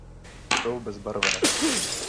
Jsou bezbarvé.